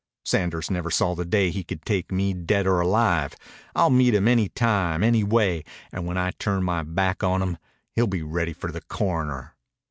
"Sanders never saw the day he could take me, dead or alive. I'll meet him any time, any way, an' when I turn my back on him he'll be ready for the coroner."